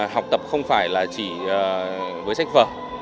học tập không phải chỉ với sách phở